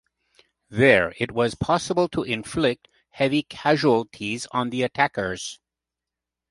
There it was possible to inflict heavy casualties on the attackers.